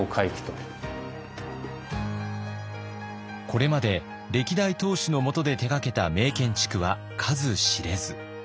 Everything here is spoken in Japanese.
これまで歴代当主の下で手がけた名建築は数知れず。